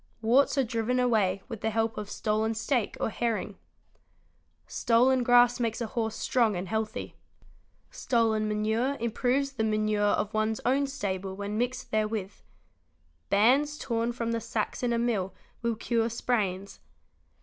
Warts are driven away with the help of stolen steak or herring (see _ p. 880). Stolen grass makes a horse strong and healthy. Stolen manure limproves the manure from one's own stable when mixed therewith. Bands torn from the sacks in a mill will cure sprains